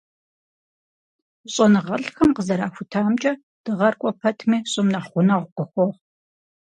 ЩӀэныгъэлӀхэм къызэрахутамкӀэ, Дыгъэр кӀуэ пэтми, ЩӀым нэхъ гъунэгъу къыхуохъу.